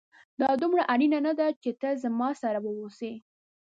دا دومره اړينه نه ده چي ته زما سره واوسې